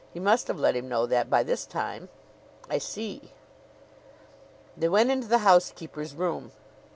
He must have let him know that by this time." "I see." They went into the housekeeper's room.